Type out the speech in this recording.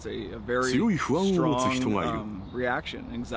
強い不安を持つ人がいる。